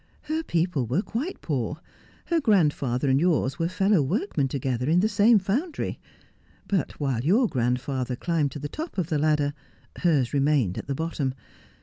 Her people were quite poor. Her grandfather and yours were fellow workmen together in the same foundry ; but while your grandfather climbed to the top of the ladder, hers remained at the bottom.